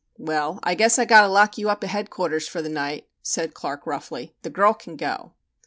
"Well, I guess I'll have to lock you up at Headquarters for the night," said Clark roughly. "The girl can go."